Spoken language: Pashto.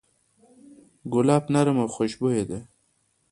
ګلاب نرم او خوشبویه دی.